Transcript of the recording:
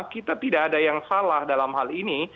kita tidak ada yang salah dalam hal ini